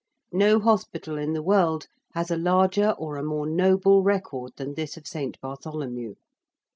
No hospital in the world has a larger or a more noble record than this of St. Bartholomew.